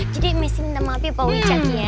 jadi messi minta maaf ya pak wicaknya